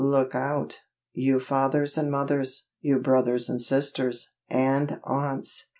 Look out, you fathers and mothers, you brothers and sisters, and aunts!